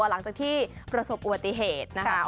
หลังจากที่ประสบอุบัติเหตุนะคะ